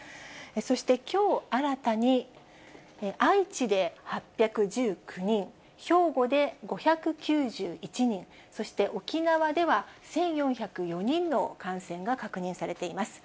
そして、きょう新たに愛知で８１９人、兵庫で５９１人、そして沖縄では１４０４人の感染が確認されています。